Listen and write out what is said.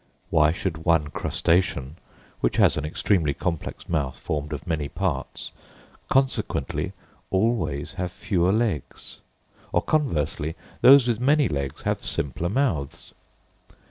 Why should one crustacean, which has an extremely complex mouth formed of many parts, consequently always have fewer legs; or conversely, those with many legs have simpler mouths?